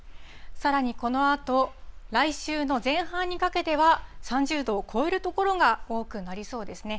さらにこのあと、来週の前半にかけては、３０度を超える所が多くなりそうですね。